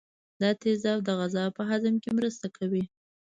دا تیزاب د غذا په هضم کې مرسته کوي.